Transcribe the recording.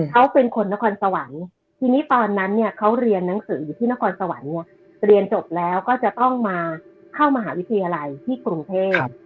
เขาเป็นคนนครสวรรค์ทีนี้ตอนนั้นเนี่ยเขาเรียนหนังสืออยู่ที่นครสวรรค์เนี่ยเรียนจบแล้วก็จะต้องมาเข้ามหาวิทยาลัยที่กรุงเทพ